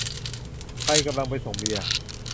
ใครกำลังไปส่งเบียร์ ?